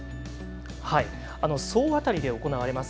総当たりで行われます